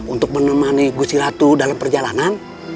untuk menemani gusi ratu dalam perjalanan